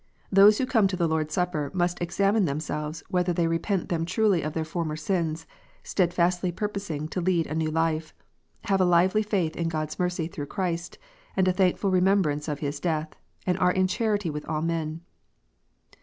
Those who come to the Lord s Supper must " examine themselves whether they repent them truly of their former sins, steadfastly purposing to lead a new life, have a lively faith in God s mercy through Christ, and a thank ful remembrance of His death, and are in charity with all men."